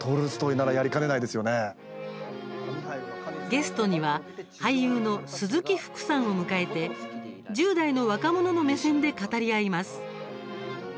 ゲストには俳優の鈴木福さんを迎えて１０代の若者の目線で語り合います。